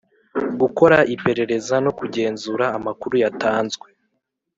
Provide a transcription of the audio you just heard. Gukora iperereza no kugenzura amakuru yatanzwe